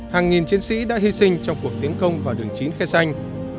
hàng nghìn chiến sĩ đã hy sinh trong cuộc tiến công vào đường chín khe xanh